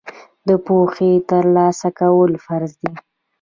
د پوهې ترلاسه کول فرض دي.